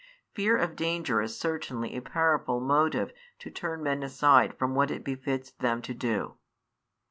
Fear of danger is certainly a powerful motive to turn men aside from what it befits them to do.